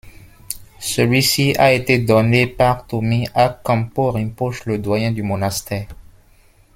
Celui-ci a été donné par Tommy à K’anpo Rimpoche, le doyen du monastère.